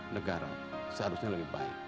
negara seharusnya lebih baik